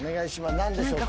何でしょうか？